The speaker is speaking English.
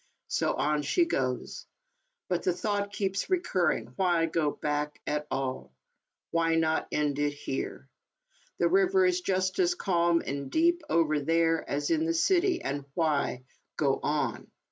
So on she goes. But the thought keeps recurring — why go back at all ? Why not end it here ? The river is just as calm and deep over there as in the city, and why go on